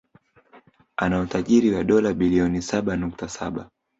Ana utajiri wa dola bilioni saba nukta saba